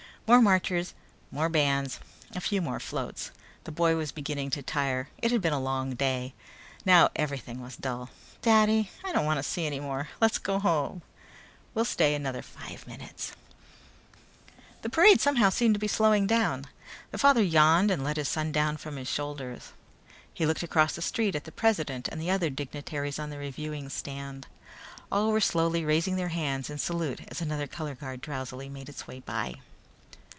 More marchers, more bands, a few more floats. The boy was beginning to tire. It had been a long day. Now everything was dull. "Daddy, I don't want to see any more. Let's go home." "We'll stay another five minutes." The parade somehow seemed to be slowing down. The father yawned and let his son down from his shoulders. He looked across the street at the president and the other dignitaries on the reviewing stand. All were slowly raising their hands in salute as another color guard drowsily made its way by.